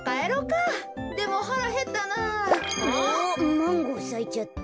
マンゴーさいちゃった。